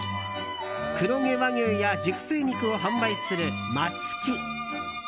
黒毛和牛や熟成肉を販売する松喜。